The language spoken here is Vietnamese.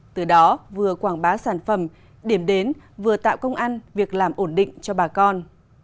từ đó vừa quảng bá sản phẩm điểm đến vừa tạo công ăn việc làm ổn định cho bà con